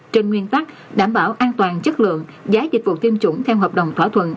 trên nguyên tắc đảm bảo an toàn chất lượng giá dịch vụ tiêm chủng theo hợp đồng thỏa thuận